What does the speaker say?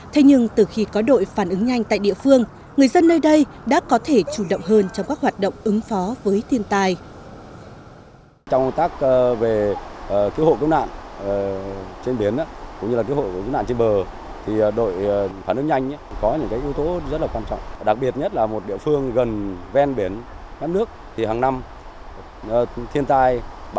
thế nhưng từ khi có đội phản ứng nhanh tại địa phương người dân nơi đây đã có thể chủ động hơn trong các hoạt động ứng phó với thiên tai